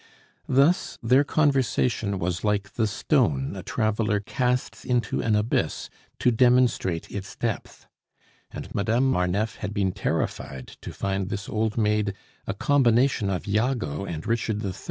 Thus, their conversation was like the stone a traveler casts into an abyss to demonstrate its depth. And Madame Marneffe had been terrified to find this old maid a combination of Iago and Richard III.